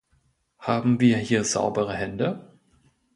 Haben wir hier saubere Hände?